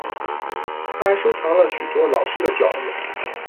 他还收藏了许多老式的角子。